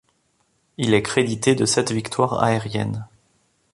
Il est crédité de sept victoires aériennes.